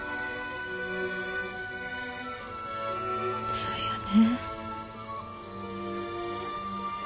そうよね。